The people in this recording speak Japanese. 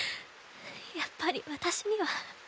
やっぱり私には。